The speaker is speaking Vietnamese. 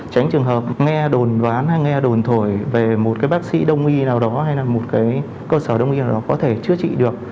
tránh trường hợp nghe đồn đoán hay nghe đồn thổi về một cái bác sĩ đông y nào đó hay là một cái cơ sở đông y nào đó có thể chữa trị được